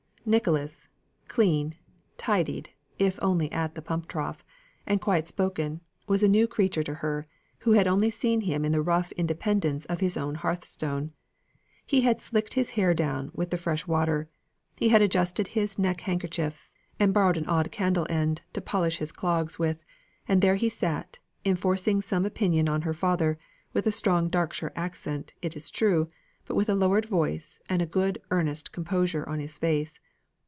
Nicholas clean, tidied (if only at the pump trough), and quiet spoken was a new creature to her, who had only seen him in the rough independence of his own hearthstone. He had "slicked" his hair down with the fresh water; he had adjusted his neck handkerchief, and borrowed an odd candle end to polish his clogs with; and there he sat, enforcing some opinion on her father, with a strong Darkshire accent, it is true, but with a lowered voice, and a good, earnest composure on his face.